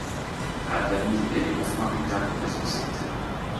Hatvany est libéré neuf mois plus tard pour raison de santé.